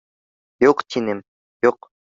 — Юҡ, тинем, юҡ!